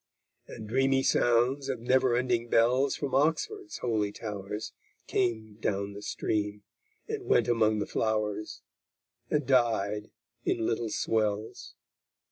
And dreamy sounds of never ending bells From Oxford's holy towers Came down the stream, and went among the flowers, And died in little swells_.